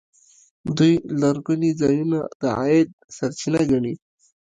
دوی لرغوني ځایونه د عاید سرچینه ګڼي.